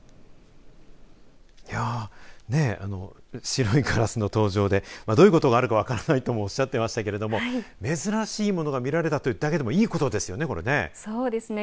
白いカラスの登場でどういうことがあるか分からないともおっしゃっていましたが珍しいものが見られただけでもいいことですよね。